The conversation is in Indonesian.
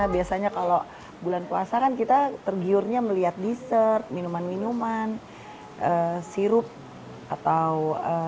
biasanya kalau bulan puasa kan kita tergiurnya melihat dessert minuman minuman sirup atau